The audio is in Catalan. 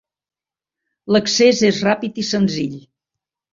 L'accés és ràpid i senzill.